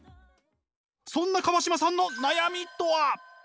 そんな川島さんの悩みとは？